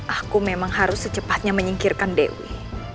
aku memang harus secepatnya menyingkirkan dewi